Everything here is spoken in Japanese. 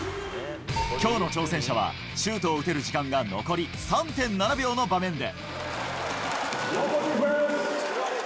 きょうの挑戦者は、シュートを打てる時間が残り３．７秒の場面で。